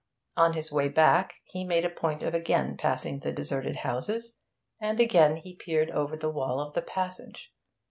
On his way back he made a point of again passing the deserted houses, and again he peered over the wall of the passage.